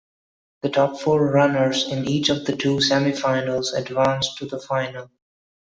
The top four runners in each of the two semifinals advanced to the final.